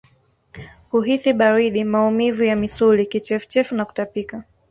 Kuhisi baridi maumivu ya misuli kichefuchefu na kutapika